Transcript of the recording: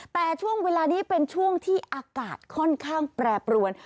แต่ช่วงเวลานี้เป็นช่วงที่อากาศค่อนข้างแปรปรวน